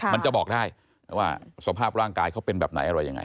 มันจะบอกได้ว่าสภาพร่างกายเขาเป็นแบบไหนอะไรยังไง